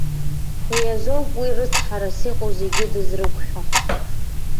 Уи азоуп уи рыцҳарас иҟоу зегьы дызрықәшәо.